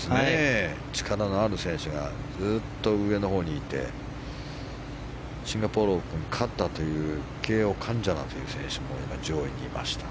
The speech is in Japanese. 力のある選手がずっと上のほうにいてシンガポールオープンを勝ったというケーオカンジャナという選手も今、上位にいました。